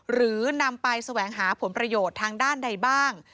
หรือนำไปแสวงหาผลประโยชน์ทางด้านใดบ้าง